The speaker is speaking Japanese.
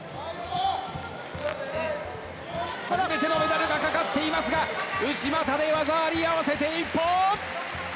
初めのメダルがかかっていますが、内股で技あり、合わせて一本。